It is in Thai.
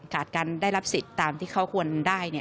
การได้รับสิทธิ์ตามที่เขาควรได้